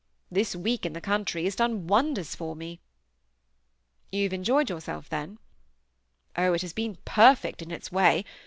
This week in the country has done wonders for me." "You have enjoyed yourself, then?" "Oh! it has been perfect in its way.